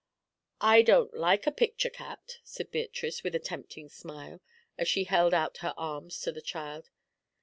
"I don't like a picture cat," said Beatrice, with a tempting smile, as she held out her arms to the child.